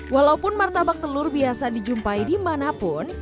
walaupun martabak telur biasa dijumpai dimanapun